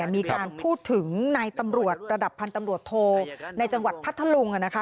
มีการพูดถึงนายตำรวจระดับพันธ์ตำรวจโทในจังหวัดพัทธลุง